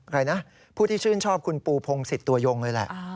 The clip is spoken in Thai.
ใครนะผู้ที่ชื่นชอบคุณปูพงศิษย์ตัวยงเลยแหละ